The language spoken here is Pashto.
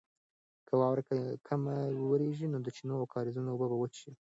که واوره کمه وورېږي نو د چینو او کاریزونو اوبه به وچې شي.